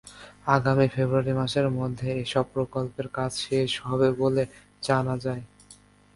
আগামী ফেব্রুয়ারি মাসের মধ্যে এসব প্রকল্পের কাজ শেষ হবে বলে জানা যায়।